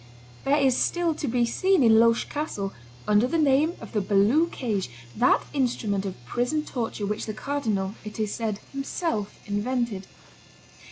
There is still to be seen in Loches castle, under the name of the Balue cage, that instrument of prison torture which the cardinal, it is said, himself invented.